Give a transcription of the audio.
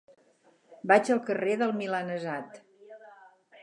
Vaig al carrer del Milanesat.